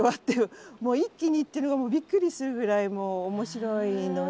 もう一気にいってるのがびっくりするぐらいもう面白いので。